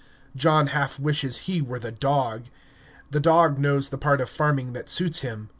John half wishes he were the dog. The dog knows the part of farming that suits him.